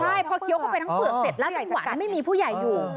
ใช่พอเคี้ยวเข้าไปทั้งเปลือกเสร็จแล้วทั้งหวานไม่มีผู้ใหญ่อยู่